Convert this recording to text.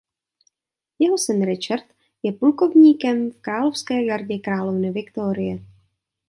Jeho syn Richard je plukovníkem v královské gardě královny Viktorie.